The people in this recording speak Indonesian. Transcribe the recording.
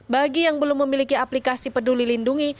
bagi yang belum memiliki aplikasi peduli lindungi